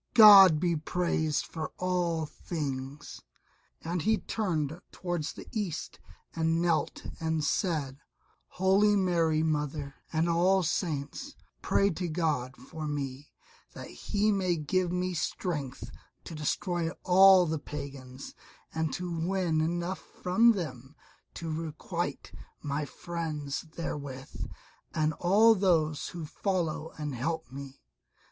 God be praised for all things." And he turned toward the East and knelt and said, "Holy Mary Mother, and all Saints, pray to God for me, that He may give me strength to destroy all the Pagans, and to win enough from them to requite my friends therewith, and all those who follow and help me."